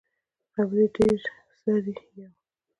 خبرې ډیرې سر يې یو.